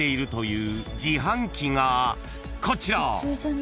［こちら！］